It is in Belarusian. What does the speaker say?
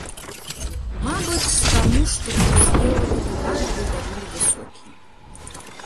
Мабыць, таму, што курс еўра тут і так быў даволі высокі.